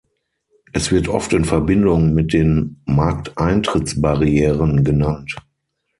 Es wird oft in Verbindung mit den Markteintrittsbarrieren genannt.